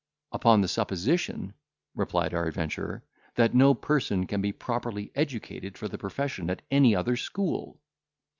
"Upon the supposition," replied our adventurer, "that no person can be properly educated for the profession at any other school."